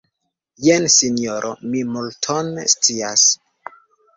Jes, sinjoro, mi multon scias.